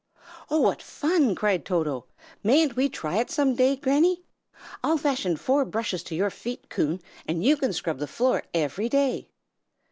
"Oh, what fun!" cried Toto. "Mayn't we try it some day, Granny? I'll fasten four brushes to your feet, Coon, and you can scrub the floor every day."